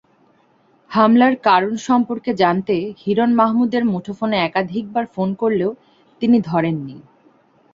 হামলার কারণ সম্পর্কে জানতে হিরণ মাহমুদের মুঠোফোনে একাধিকবার ফোন করলেও তিনি ধরেননি।